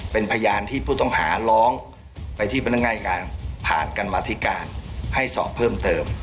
เป็นพยานที่ผู้ต้องหาร้องไปที่พนักงานผ่านกรรมธิการให้สอบเพิ่มเติม